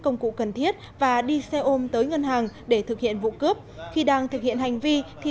công cụ cần thiết và đi xe ôm tới ngân hàng để thực hiện vụ cướp khi đang thực hiện hành vi thì